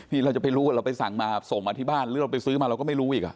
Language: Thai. เราจะไปรู้ว่าเราไปสั่งมาส่งมาที่บ้านหรือเราไปซื้อมาเราก็ไม่รู้อีก